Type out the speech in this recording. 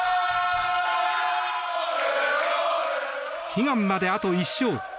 悲願まであと１勝。